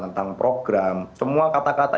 tentang program semua kata kata